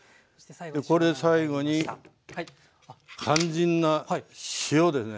これ最後に肝心な塩ですね。